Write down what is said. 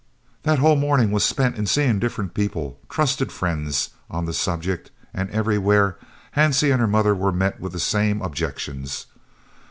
That whole morning was spent in seeing different people, trusted friends, on the subject, and everywhere Hansie and her mother were met with the same objections.